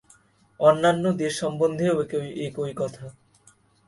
অন্যান্য দেশ সম্বন্ধেও একই কথা।